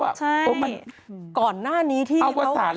ไปก่อนหน้านี้ที่เขา